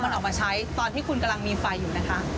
มันออกมาใช้ตอนที่คุณกำลังมีไฟอยู่นะคะ